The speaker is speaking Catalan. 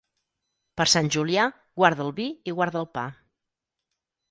Per Sant Julià, guarda el vi i guarda el pa.